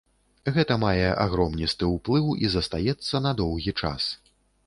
Гэта мае агромністы ўплыў і застаецца на доўгі час.